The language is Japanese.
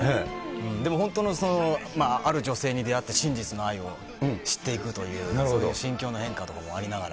でも本当のある女性に出会って、真実の愛を知っていくという、そういう心境の変化とかもありながら。